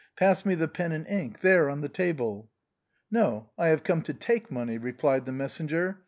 Pass me the pen and ink. There, on the table." " No, I have come to take money," replied the messenger.